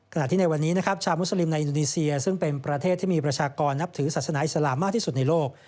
ในวันนี้นะครับชาวมุสลิมในอินโดนีเซียซึ่งเป็นประเทศที่มีประชากรนับถือศาสนาอิสลามมากที่สุดในโลก